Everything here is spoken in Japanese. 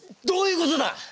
どういうことだ！